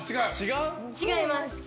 違います。